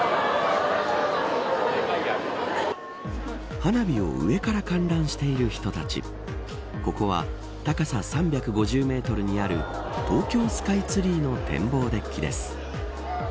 花火を上から観覧している人たちここは高さ３５０メートルにある東京スカイツリーの展望デッキです。